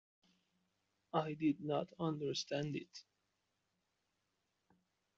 I did not understand it.